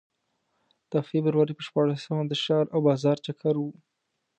د فبروري په شپاړسمه د ښار او بازار چکر و.